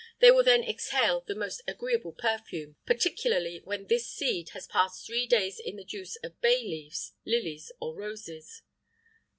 [IX 100] They will then exhale the most agreeable perfume, particularly when this seed has passed three days in the juice of bay leaves, lilies, or roses.